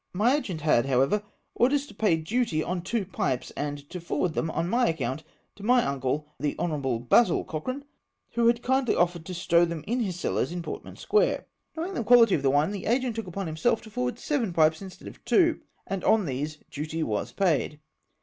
My agent had, however, orders to pay duty on two pipes, and to forward them, on my account, to my uncle the Honourable Basil Cochrane, who had kindly offered to stow them in his cellars in Portman Square. Knowing the quality of the wine, the agent took upon himself to forward seven pipes instead of two, and on these duty was paid.